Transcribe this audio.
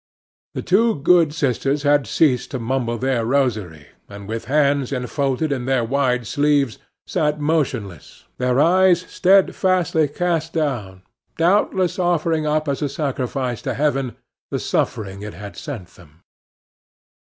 The two good sisters had ceased to mumble their rosary, and, with hands enfolded in their wide sleeves, sat motionless, their eyes steadfastly cast down, doubtless offering up as a sacrifice to Heaven the suffering it had sent them.